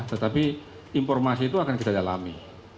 tetapi informasi itu akan kita dalami